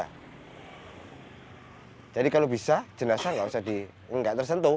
hai jadi kalau bisa jenazah nggak usah di enggak tersentuh